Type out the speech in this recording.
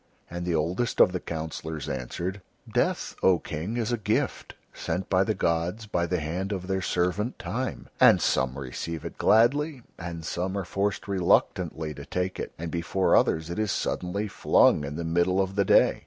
And the oldest of the councillors answered: "Death, O King, is a gift sent by the gods by the hand of their servant Time, and some receive it gladly, and some are forced reluctantly to take it, and before others it is suddenly flung in the middle of the day.